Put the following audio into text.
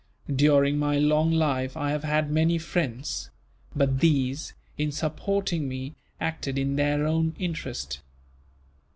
During my long life I have had many friends; but these, in supporting me, acted in their own interest.